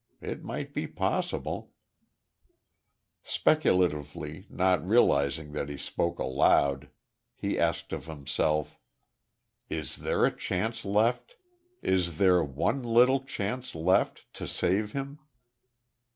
It might be possible Speculatively, not realizing that he spoke aloud, he asked of himself: "Is there a chance left? Is there one little chance left, to save him?"